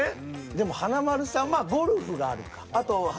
でも華丸さんまあゴルフがあるか。